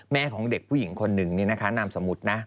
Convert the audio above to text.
ของเด็กผู้หญิงคนหนึ่งนี่นะคะนามสมมุตินะ